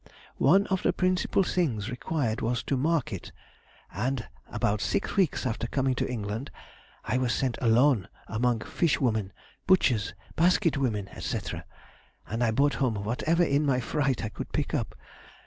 One of the principal things required was to market, and about six weeks after coming to England I was sent alone among fishwomen, butchers, basket women, &c., and I brought home whatever in my fright I could pick up....